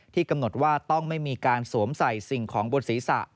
กำหนดว่าต้องไม่มีการสวมใส่สิ่งของบนศีรษะ